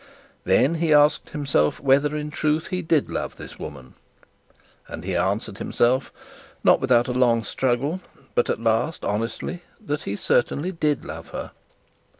Then he asked himself whether in truth he did love this woman; and he answered himself, not without a long struggle, but at last honestly, that he certainly did love her.